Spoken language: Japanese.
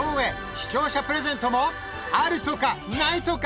視聴者プレゼントもあるとかないとか。